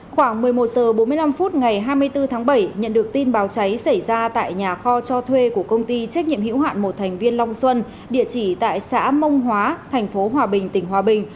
khoảng một mươi một h bốn mươi năm phút ngày hai mươi bốn tháng bảy nhận được tin báo cháy xảy ra tại nhà kho cho thuê của công ty trách nhiệm hữu hạn một thành viên long xuân địa chỉ tại xã mông hóa thành phố hòa bình tỉnh hòa bình